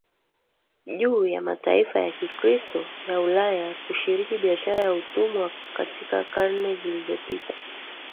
juu ya mataifa ya Kikristo ya Ulaya kushiriki biashara ya utumwa katika karne zilizopita